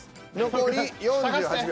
残り４８秒。